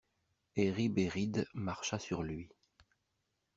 Et Ribéride marcha sur lui.